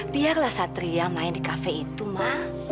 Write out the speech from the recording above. biarlah satria main di kafe itu ma